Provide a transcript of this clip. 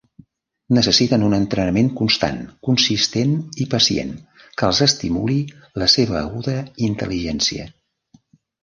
Necessiten un entrenament constant, consistent i pacient que els estimuli la seva aguda intel·ligència.